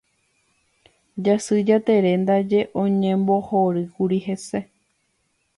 Jasy Jatere ndaje oñembohorýkuri hese.